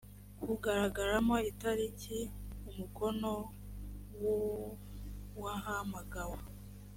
kugaragaramo itariki umukono w uwahamagawe